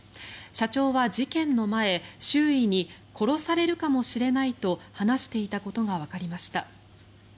社長は事件の前、周囲に殺されるかもしれないと話していたことがわかりました。